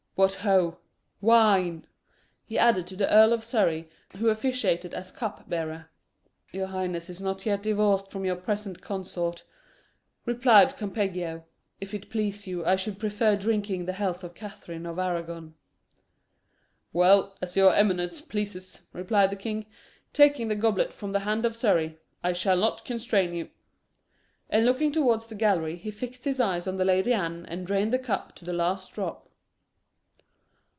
What ho! wine!" he added to the Earl of Surrey, who officiated as cup bearer. "Your highness is not yet divorced from your present consort," replied Campeggio. "If it please you, I should prefer drinking the health of Catherine of Arragon." "Well, as your eminence pleases," replied the king, taking the goblet from the hand of Surrey; "I shall not constrain you." And looking towards the gallery, he fixed his eyes on the Lady Anne and drained the cup to the last drop.